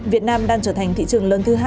việt nam đang trở thành thị trường lớn thứ hai